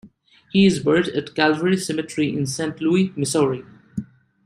He is buried at Calvary Cemetery in Saint Louis, Missouri.